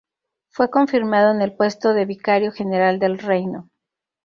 Fue confirmado en el puesto de vicario general del reino.